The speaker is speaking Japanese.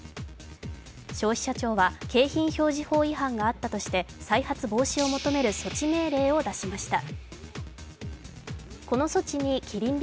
消費者庁は景品表示法違反があったとして再発防止を求める措置命令を出しました。